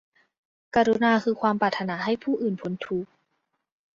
กรุณาคือความปรารถนาให้ผู้อื่นพ้นทุกข์